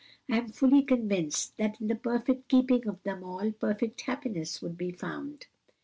I am fully convinced that in the perfect keeping of them all perfect happiness would be found."